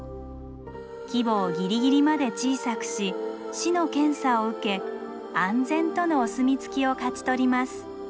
規模をぎりぎりまで小さくし市の検査を受け安全とのお墨付きを勝ち取ります。